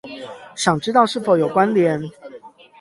想知道是否有關連